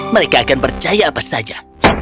mereka akan percaya apa saja